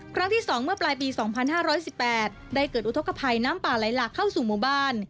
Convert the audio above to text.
ครั้งที่๒เมื่อปลายปี๒๕๑๘ได้เกิดอุทธกภัยน้ำป่าไหลหลากเข้าสู่หมู่บ้าน